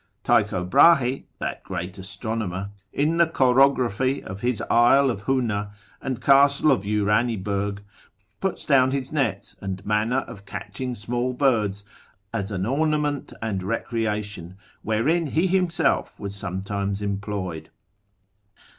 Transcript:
Tycho Brahe, that great astronomer, in the chorography of his Isle of Huena, and Castle of Uraniburge, puts down his nets, and manner of catching small birds, as an ornament and a recreation, wherein he himself was sometimes employed.